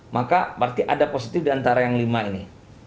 maka berarti ada positif diantara yang lima ini